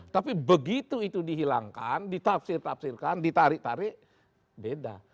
tapi begitu itu dihilangkan ditafsir tafsirkan ditarik tarik beda